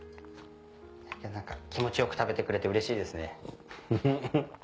気持ち良く食べてくれてうれしいですね。